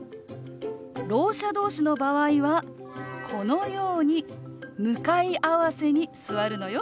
ろう者同士の場合はこのように向かい合わせに座るのよ。